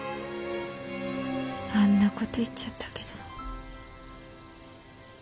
あんな事言っちゃったけど。